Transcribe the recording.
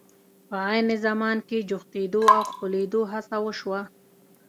په عین زمان کې جوختېدو او ښکلېدو هڅه وشوه.